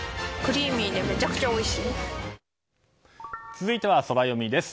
続いてはソラよみです。